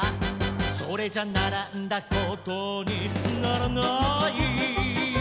「それじゃならんだことにならない」